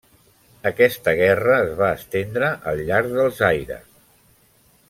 Aquesta guerra es va estendre al llarg del Zaire.